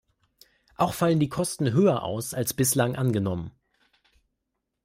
Auch fallen die Kosten höher aus, als bislang angenommen.